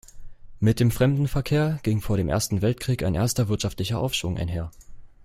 Mit dem Fremdenverkehr ging vor dem Ersten Weltkrieg ein erster wirtschaftlicher Aufschwung einher.